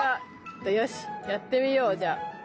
よしやってみようじゃあ。